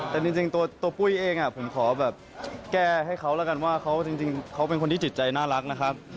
แต่จริงตัวปุ้ยเองผมขอแบบแก้ให้เขาแล้วกันว่าเขาจริงเขาเป็นคนที่จิตใจน่ารักนะครับ